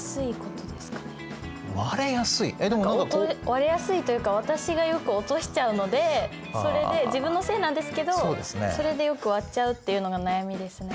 割れやすいというか私がよく落としちゃうのでそれで自分のせいなんですけどそれでよく割っちゃうっていうのが悩みですね。